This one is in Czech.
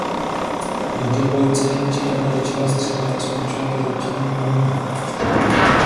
Jenže policie nečekaně začala střílet a skončilo to zatčením gangu.